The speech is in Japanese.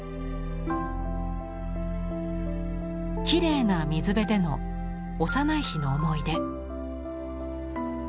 きれいな水辺での幼い日の思い出。